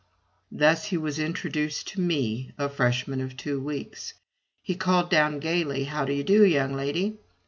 Thus he was introduced to me a Freshman of two weeks. He called down gayly, "How do you do, young lady?"